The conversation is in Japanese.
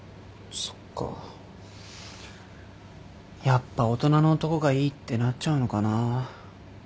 やっぱ大人の男がいいってなっちゃうのかなあ。